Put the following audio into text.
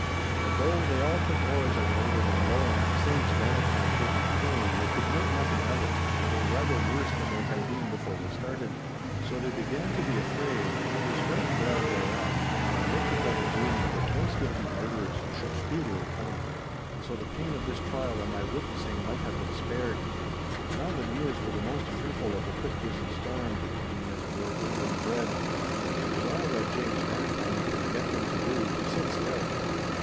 But though they all took oars and laboured in rowing, sames Bannatyne taking twain, they could make nothing of it; but were rather worse than they had been before they started. 'So they began to be afraid, and I was right glad thereat, for I looked that the doom of the twice guilty murderers should speedily come. And so the pain of this trial and my witnessing might have been spared. 'Now the Mures were the most fearful of the quick risen storm, being as it were inland bred. It was all that James Bannatyne could get them to do to sit still.